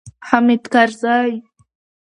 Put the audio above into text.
حامد کرزی